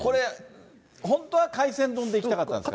本当は海鮮丼でいきたかったんですか？